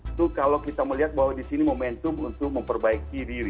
itu kalau kita melihat bahwa di sini momentum untuk memperbaiki diri